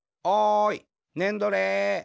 おいねんどれ。